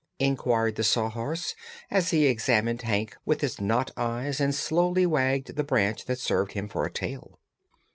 inquired the Sawhorse, as he examined Hank with his knot eyes and slowly wagged the branch that served him for a tail.